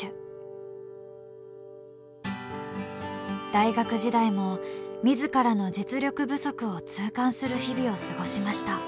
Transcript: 大学時代も自らの実力不足を痛感する日々を過ごしました。